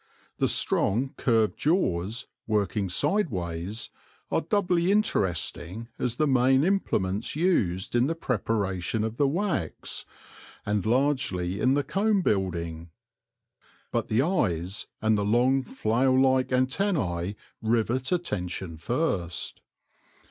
The strong, curved jaws, working side ways, are doubly interesting as the main implements used in the preparation of the wax, and largely in the comb building, But the eyes and the long, flail like antennae rivet attention first.